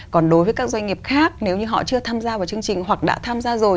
còn đối với các doanh nghiệp khác nếu như họ chưa tham gia vào chương trình hoặc đã tham gia rồi